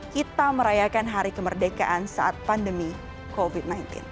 kita merayakan hari kemerdekaan saat pandemi covid sembilan belas